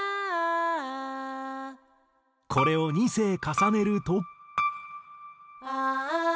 これを２声重ねると。